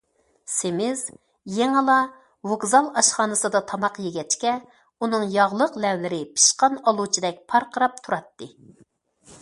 سېمىز يېڭىلا ۋوگزال ئاشخانىسىدا تاماق يېگەچكە، ئۇنىڭ ياغلىق لەۋلىرى پىشقان ئالۇچىدەك پارقىراپ تۇراتتى.